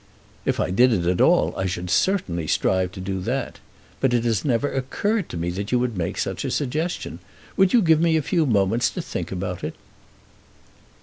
"If I did it at all, I should certainly strive to do that. But it has never occurred to me that you would make such a suggestion. Would you give me a few moments to think about it?"